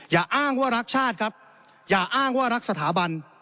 อย่าอ้างว่ารักชาติครับอย่าอ้างว่ารักสถาบัน